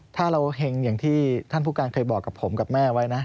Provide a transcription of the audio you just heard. ถ้าเราเห็งอย่างที่ท่านผู้การเคยบอกกับผมกับแม่ไว้นะ